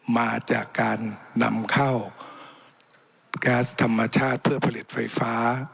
มาจากการนำเข้าแก๊สธรรมชาติเพื่อผลิตไฟฟ้า